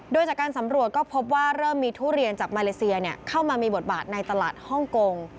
โดยจากการสำรวจก็พบว่าเริ่มมีทุเรียนจากมาเลเซียเข้ามามีบทบาทในตลาดฮ่องกง